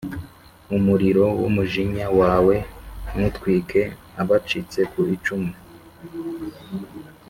Umuriro w’umujinya wawe nutwike abacitse ku icumu,